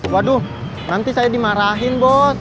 waduh nanti saya dimarahin bot